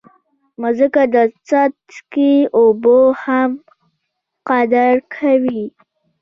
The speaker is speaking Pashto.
مځکه د څاڅکي اوبه هم قدر کوي.